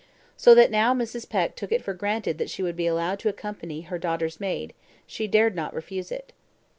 So that now Mrs. Peck took it for granted that she would be allowed to accompany her daughter's maid she dared not refuse it.